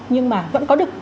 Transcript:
nhưng mà vẫn có được